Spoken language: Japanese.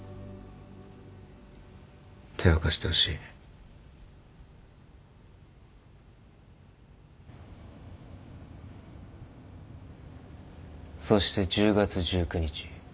手を貸してほしいそして１０月１９日